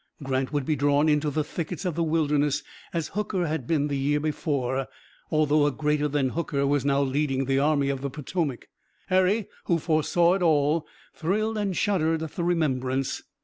Grant would be drawn into the thickets of the Wilderness as Hooker had been the year before, although a greater than Hooker was now leading the Army of the Potomac. Harry, who foresaw it all, thrilled and shuddered at the remembrance.